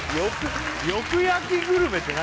よく焼きグルメって何？